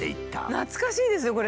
懐かしいですよこれ。